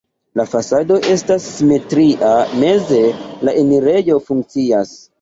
La fasado estas simetria, meze la enirejo funkcias.